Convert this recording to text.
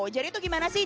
jadi itu gimana sih